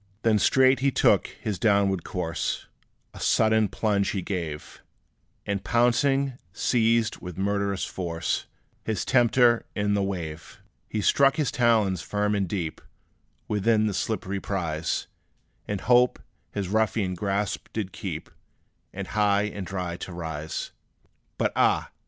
Then straight he took his downward course; A sudden plunge he gave; And pouncing, seized, with murderous force, His tempter in the wave. He struck his talons firm and deep, Within the slippery prize, In hope his ruffian grasp to keep; And high and dry to rise. But ah!